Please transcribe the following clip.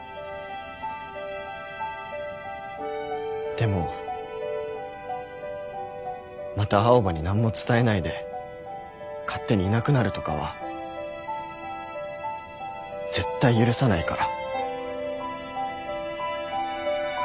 でもまた青羽に何も伝えないで勝手にいなくなるとかは絶対許さないから。